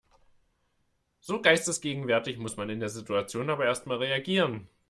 So geistesgegenwärtig muss man in der Situation aber erstmal reagieren.